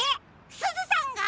すずさんが？